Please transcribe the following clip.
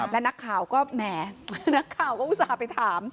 และนักข่าวก็แหมนักข่าวก็อุตส่าห์ไปถาม